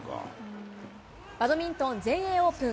バドミントン全英オープン。